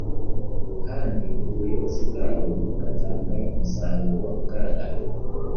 kandi ubuyobozi bwabo bugatanga umusaruro ugaragara